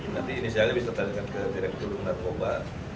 nanti inisialnya bisa tanyakan ke direktur narkoba